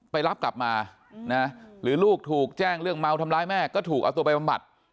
ไปรับกลับมาหรือลูกถูกแจ้งเรื่องเมาทำร้ายแม่ก็ถูกเอาตัวไปบำบัด